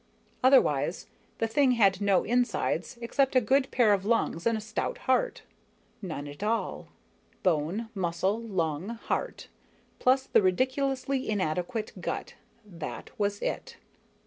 Otherwise, the thing had no insides except a good pair of lungs and a stout heart none at all. Bone, muscle, lung, heart plus the ridiculously inadequate gut that was it.